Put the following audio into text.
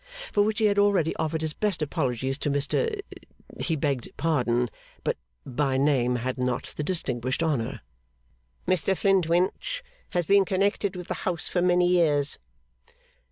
For which he had already offered his best apologies to Mr he begged pardon but by name had not the distinguished honour 'Mr Flintwinch has been connected with the House many years.